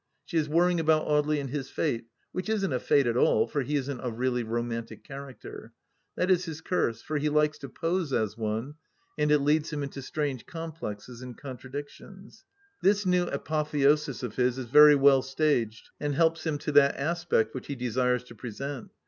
She is worrying about Audely and his fate, which isn't a fate at all, for he isn't a really romantic character; that is his curse, for he likes to pose as one, and it leads him into strange complexes and contradictions. This new apotheosis of his is very well staged, and helps him to that aspect which he desires to present.